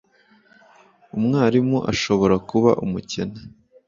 Umwarimu ashobora kuba umukene